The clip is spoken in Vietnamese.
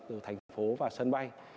từ thành phố và sân bay